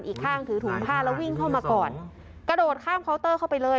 อีกข้างถือถุงผ้าแล้ววิ่งเข้ามาก่อนกระโดดข้ามเคาน์เตอร์เข้าไปเลย